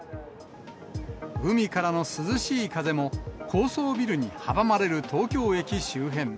海からの涼しい風も、高層ビルに阻まれる東京駅周辺。